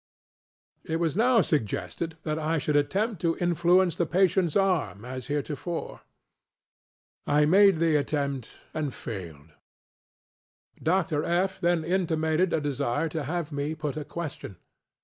It was now suggested that I should attempt to influence the patientŌĆÖs arm, as heretofore. I made the attempt and failed. Dr. FŌĆöŌĆö then intimated a desire to have me put a question.